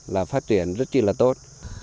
là phát triển rất là tốt